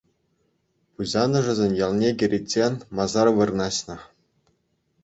Пуҫанӑшӗсен ялне кӗриччен масар вырнаҫнӑ.